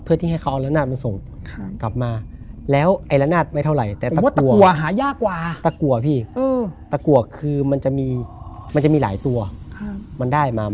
เพื่อที่ให้เขาละงนาดมันส่งกลับมา